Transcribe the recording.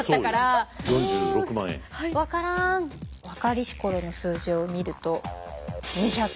若かりし頃の数字を見ると２００。